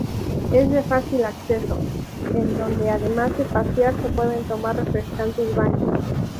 Es de fácil acceso, en donde además de pasear, se pueden tomar refrescantes baños.